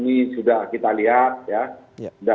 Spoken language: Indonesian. nah ini masih saat ini the messiah saya juga